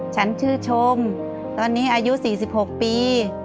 ฉันชื่นชมตอนนี้อายุ๔๖ปี